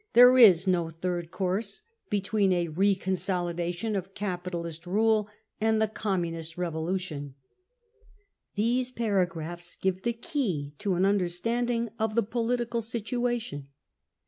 ... There is no third course between a re consolidation of capitalist rule and the Communist revolution. 5 ' n These paragraphs %ive the key to an understanding of the political situation.